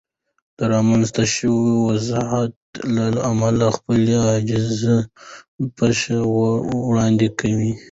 د رامنځته شوې وضعیت له امله خپله عاجزانه بښنه وړاندې کوم.